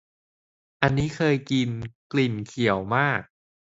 อันนี้เคยกิน กลิ่นเขียวมาก